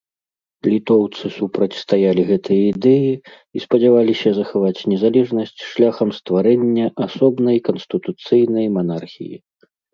Літоўцы супрацьстаялі гэтай ідэі і спадзяваліся захаваць незалежнасць шляхам стварэння асобнай канстытуцыйнай манархіі.